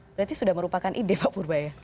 berarti sudah merupakan ide pak purba ya